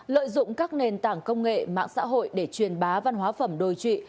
lợi dụng các nền tảng công nghệ mạng xã hội để truyền bá văn hóa phẩm đồi trụy